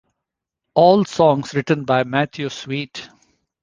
All songs written by Matthew Sweet.